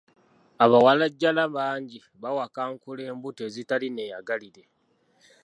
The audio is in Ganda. Abawalajjana bangi bawakankula embuto ezitali nneeyagalire.